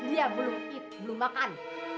ibu belum makan belum makan